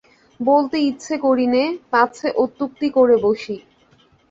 বলতে ইচ্ছে করি নে, পাছে অত্যুক্তি করে বসি।